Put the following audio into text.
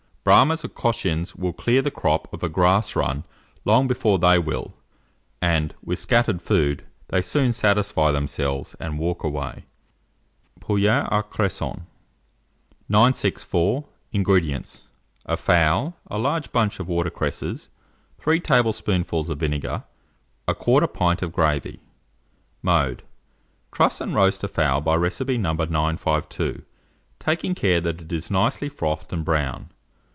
Brahmas or Cochins will clear the crop of a grass run long before they will, and, with scattered food, they soon satisfy themselves and walk away. POULET AUX CRESSONS. 964. INGREDIENTS. A fowl, a large bunch of water cresses, 3 tablespoonfuls of vinegar, 1/4 pint of gravy. Mode. Truss and roast a fowl by recipe No. 952, taking care that it is nicely frothed and brown.